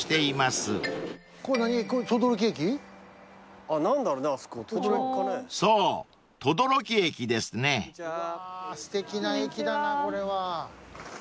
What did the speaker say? すてきな駅だなこれは。